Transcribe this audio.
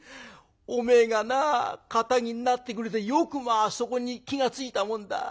おめえがな堅気になってくれてよくまあそこに気が付いたもんだ。